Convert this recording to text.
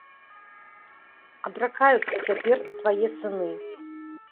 Адракаюцца цяпер твае сыны.